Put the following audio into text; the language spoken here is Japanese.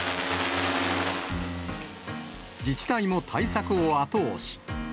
自治体も対策を後押し。